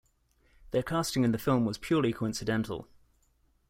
Their casting in the film was purely coincidental.